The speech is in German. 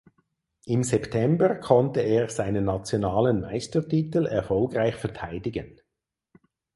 Im September konnte er seinen nationalen Meistertitel erfolgreich verteidigen.